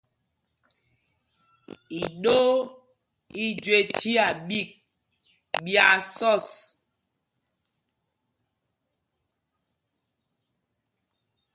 Iɗoo i jüé chiá ɓîk ɓyaa sɔs.